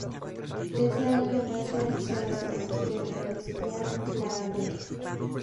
En ese año además realiza las obras teatrales "Piaf" y "La gaviota".